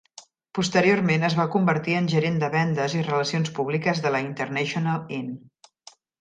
Posteriorment es va convertir en gerent de vendes i relacions públiques de la International Inn.